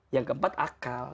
yang keempat akal